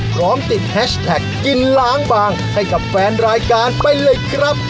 พร้อมติดแฮชแท็กกินล้างบางให้กับแฟนรายการไปเลยครับ